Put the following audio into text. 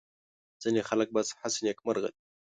ځینې خلک بس هسې نېکمرغه دي.